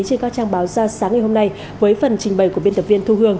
trên các trang báo ra sáng ngày hôm nay với phần trình bày của biên tập viên thu hường